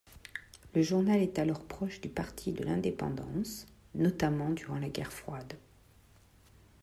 Le journal est alors proche du Parti de l'indépendance, notamment durant la Guerre froide.